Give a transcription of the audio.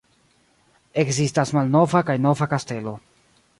Ekzistas Malnova kaj Nova kastelo.